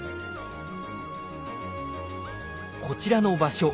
こちらの場所